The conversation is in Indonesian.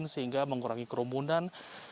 sehingga mengurangi kerumunan